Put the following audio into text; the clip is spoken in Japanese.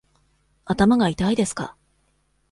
頭が痛いですか。